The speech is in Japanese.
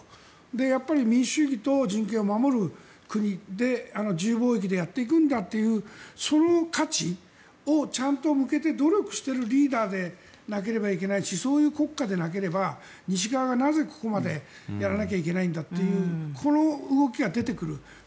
やっぱり民主主義と人権を守る国で自由貿易でやっていくんだというその価値をちゃんと向けて努力してるリーダーでなければいけないしそういう国家でなければ西側がなぜここまでやらなきゃいけないんだというこの動きが出てくる。